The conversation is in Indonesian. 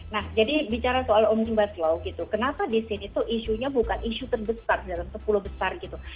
nah jadi bicara soal omnibus law gitu kenapa di sini tuh isunya bukan isu terbesar dalam sepuluh besar gitu